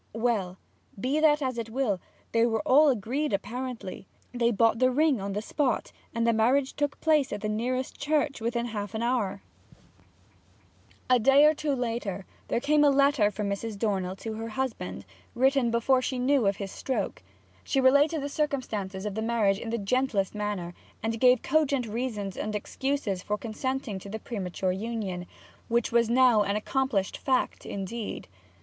'Well, be that as it will, they were all agreed apparently. They bought the ring on the spot, and the marriage took place at the nearest church within half an hour.' A day or two later there came a letter from Mrs. Dornell to her husband, written before she knew of his stroke. She related the circumstances of the marriage in the gentlest manner, and gave cogent reasons and excuses for consenting to the premature union, which was now an accomplished fact indeed.